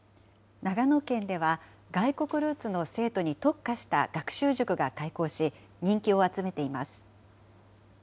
長野県では外国ルーツの生徒に特化した学習塾が開講し、人気を集めています。